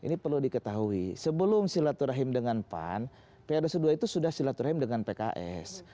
ini perlu diketahui sebelum silaturahim dengan pan pr dua itu sudah silaturahim dengan pks